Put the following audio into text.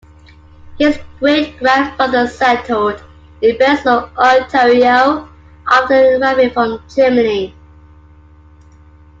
His great-grandfather settled in Breslau, Ontario after arriving from Germany.